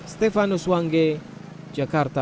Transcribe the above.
stefanus wangge jakarta